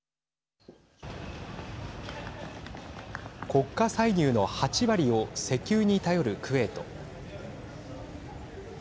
国家歳入の８割を石油に頼るクウェート。